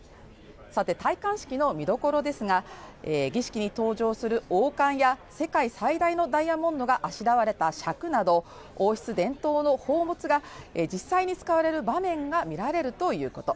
さて、戴冠式の見どころですが、儀式に登場する王冠や世界最大のダイヤモンドがあしらわれたしゃくなど王室伝統の宝物が実際に使われる場面が見られるということ。